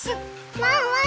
ワンワン